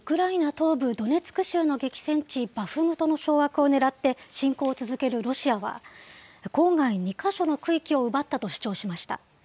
東部ドネツク州の激戦地、バフムトの掌握を狙って侵攻を続けるロシアは、郊外２か所の区域を奪ったと主張しました。